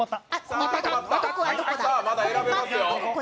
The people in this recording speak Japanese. まだ選べますよ。